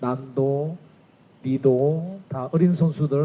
saya ingin memberi pengetahuan kepada para pemain timnas indonesia